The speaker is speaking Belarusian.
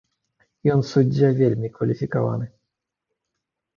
Ён суддзя вельмі кваліфікаваны.